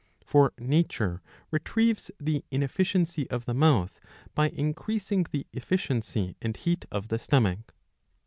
For nature retrieves the inefficiency of the mouth by increasing the efficiency and heat of the stomach.